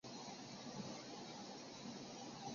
比贝斯海姆阿姆赖因是德国黑森州的一个市镇。